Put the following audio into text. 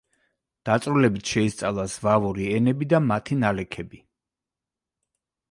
დაწვრილებით შეისწავლა ზვავური ენები და მათი ნალექები.